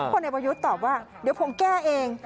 พนัยประวิศตอบว่าเดี๋ยวผมแก้เอง